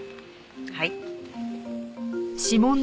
はい。